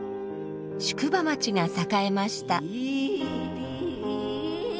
宿場町が栄えました。